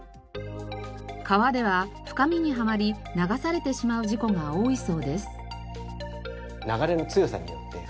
川では深みにはまり流されてしまう事故が多いそうです。